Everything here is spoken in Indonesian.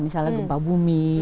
misalnya gempa bumi